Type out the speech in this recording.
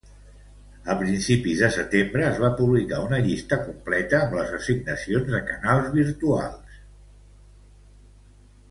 A principis de setembre, es va publicar una llista completa amb les assignacions de canals virtuals.